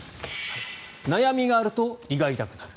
悩みがあると胃が痛くなる。